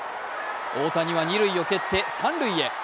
大谷は二塁を蹴って三塁へ。